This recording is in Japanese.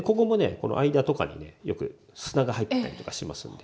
この間とかにねよく砂が入ったりとかしますので。